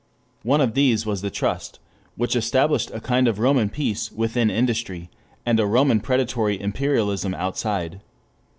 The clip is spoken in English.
One of these was the trust, which established a kind of Roman peace within industry, and a Roman predatory imperialism outside.